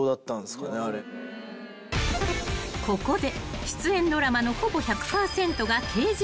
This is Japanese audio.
［ここで］